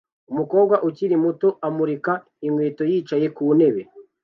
Umukobwa ukiri muto amurika inkweto yicaye ku ntebe